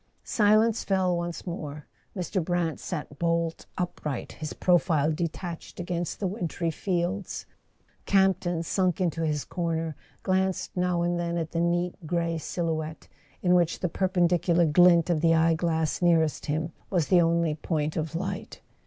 Silence fell once more. Mr. Brant sat bolt upright, his profile detached against the wintry fields. Camp¬ ton, sunk into his corner, glanced now and then at the neat grey silhouette, in which the perpendicular glint [ 272 ] A SON AT THE FRONT of the eye glass nearest him was the only point of light.